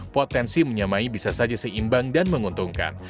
potensi menyamai bisa saja seimbang dan menguntungkan